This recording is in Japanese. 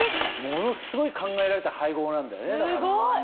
ものすごい考えられた配合なんだよね。